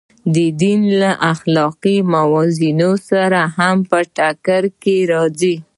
د دین له اخلاقي موازینو سره هم په ټکر کې راځي.